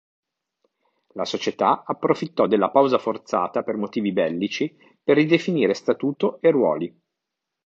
La società approfittò della pausa forzata per motivi bellici per ridefinire statuto e ruoli.